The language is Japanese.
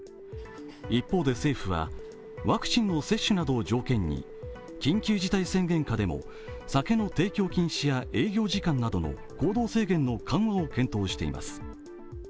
一方で、政府はワクチンの接種などを条件に緊急事態宣言下でも、酒の提供禁止や営業時間などの行動制限の緩和を検討しています。